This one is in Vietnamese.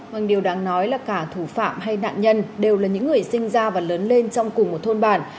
vâng điều đáng nói là cả thủ phạm hay nạn nhân đều là những người sinh ra và lớn lên trong cùng một thôn bản